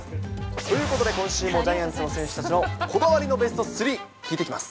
ということで、今週もジャイアンツの選手たちのこだわりのベスト３、聞いていきます。